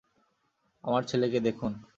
আমার ছেলেকে দেখুন!